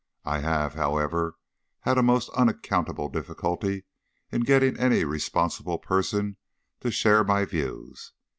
I have, however, had a most unaccountable difficulty in getting any responsible person to share my views.